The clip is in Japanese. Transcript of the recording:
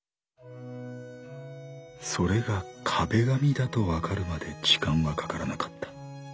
それが壁紙だと分かるまで時間はかからなかった。